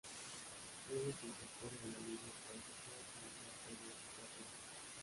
Luego se incorpora a la línea clásica al norte de Róterdam.